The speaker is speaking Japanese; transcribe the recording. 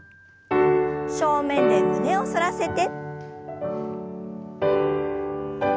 正面で胸を反らせて。